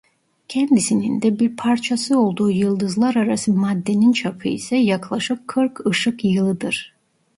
Kendisinin de bir parçası olduğu yıldızlararası maddenin çapı ise yaklaşık kırk ışık yılıdır.